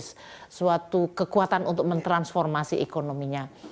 suatu kekuatan untuk mentransformasi ekonominya